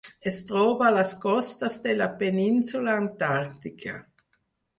Es troba a les costes de la Península Antàrtica.